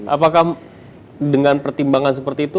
apakah dengan pertimbangan seperti itu